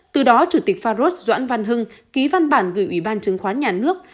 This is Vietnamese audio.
từ đó chủ tịch farod doãn văn hưng ký văn bản gửi ủy ban chứng khoán nhà nước